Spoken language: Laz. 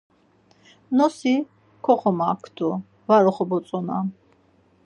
Nosi koxomaktu, var oxovotzonap.